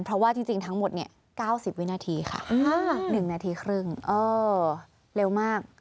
เพราะว่าจริงทั้งหมดเนี่ย๙๐วินาทีค่ะ๑นาทีครึ่งเร็วมาก